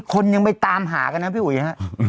คนยังไปตามหากันนะพี่อุ๋ยฮะ